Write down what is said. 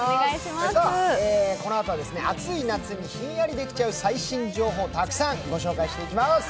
このあとは暑い夏にひんやりできちゃう最新情報をたくさんご紹介していきます。